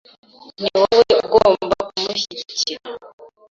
Ni wowe ugomba kumushyigikira .